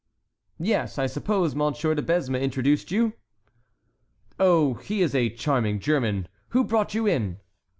"Yes; I suppose Monsieur de Besme introduced you?" "Oh, he is a charming German. Who brought you in?"